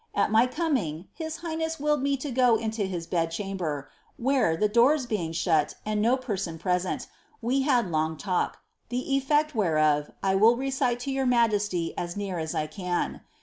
A< my coming, bis highness willed me 10 go into his bed cliamber, wbeie, the doors being shut and no per^n present, we had long talk, die elfect wbereof I will cecile to yom majesty as near as 1 can.